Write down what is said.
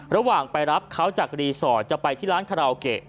ระหว่างไปรับเขาจากรีสอร์ทจะไปที่ร้านคาราโอเกะ